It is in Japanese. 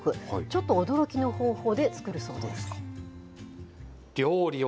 ちょっと驚きの方法で作るそうです。